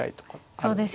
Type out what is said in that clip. そうですよね。